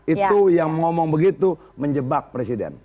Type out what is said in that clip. itu yang ngomong begitu menjebak presiden